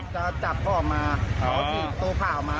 จะจับข้อออกมาแล้วก็สีดตัวขาออกมา